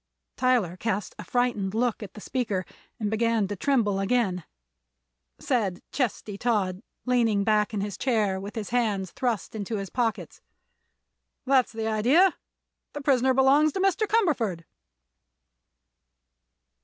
Tyler cast a frightened look at the speaker and began to tremble again. Said Chesty Todd, leaning back in his chair with his hands thrust into his pockets: "That's the idea. The prisoner belongs to Mr. Cumberford."